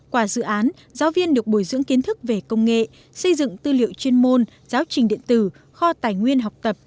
qua dự án giáo viên được bồi dưỡng kiến thức về công nghệ xây dựng tư liệu chuyên môn giáo trình điện tử kho tài nguyên học tập